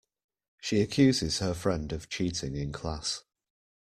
She accuses her friend of cheating in class.